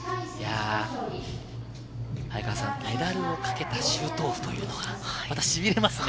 早川さん、メダルをかけたシュートオフというのはしびれますね。